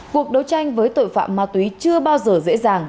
cuộc đấu tranh với tội phạm ma túy chưa bao giờ dễ dàng